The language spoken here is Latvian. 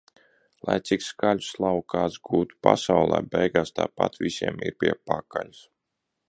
Lai cik skaļu slavu kāds gūtu pasaulē - beigās tāpat visiem ir pie pakaļas.